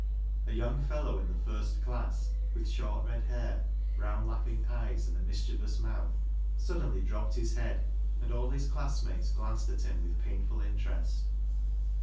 A young fellow in the first class, with short red hair, brown laughing eyes, and a mischievous mouth, suddenl}' dropped his head, and all his classmates glanced at him with painful interest.